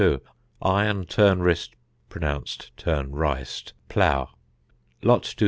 Iron turnwrist [pronounced turn riced] plough. Lot 242.